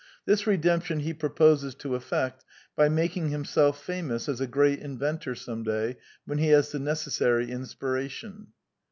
This redemption he proposes to effect by making himself famous as a great inventor some Hfay^wheiTfie has the necessary inspiration.